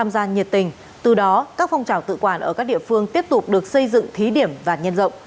tham gia nhiệt tình từ đó các phong trào tự quản ở các địa phương tiếp tục được xây dựng thí điểm và nhân rộng